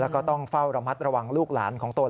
แล้วก็ต้องเฝ้าระมัดระวังลูกหลานของตน